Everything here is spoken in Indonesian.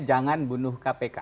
jangan bunuh kpk